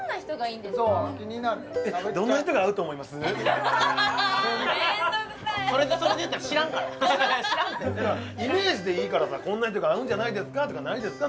そう気になるめんどくさいイメージでいいからさこんな人が合うんじゃないですかとかないですか？